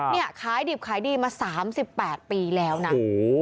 นี่ขายดีบขายดีมา๓๘ปีแล้วนะโอ้โฮ